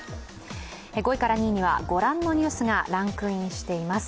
５位から２位にはご覧のニュースがランクインしています。